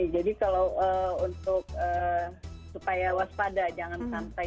jadi kalau untuk supaya waspada jangan sampai terlambat